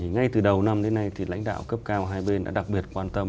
ngay từ đầu năm đến nay thì lãnh đạo cấp cao của hai bên đã đặc biệt quan tâm